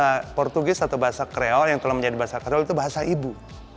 bahasa portugis atau bahasa kreol yang telah menjadi bahasa kreol itu bahasa ibu